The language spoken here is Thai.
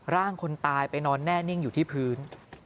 ร่างคนตายไปนอนแน่นิ่งอยู่ที่พื้น